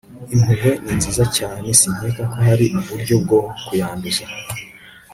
impuhwe ni nziza cyane, sinkeka ko hari uburyo bwo kuyanduza